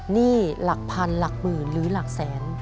หนี้หลักพันหลักหมื่นหรือหลักแสน